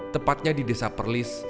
tepatnya di desa perlis